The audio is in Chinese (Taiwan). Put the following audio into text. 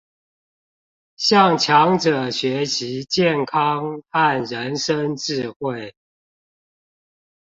向強者學習健康和人生智慧